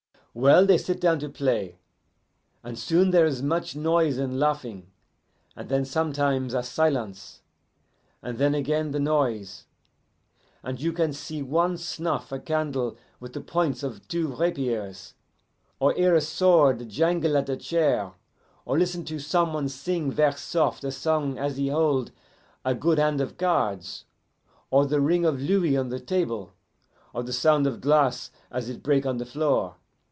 "Well, they sit down to play, and soon there is much noise and laughing, and then sometimes a silence, and then again the noise, and you can see one snuff a candle with the points of two rapiers, or hear a sword jangle at a chair, or listen to some one sing ver' soft a song as he hold a good hand of cards, or the ring of louis on the table, or the sound of glass as it break on the floor.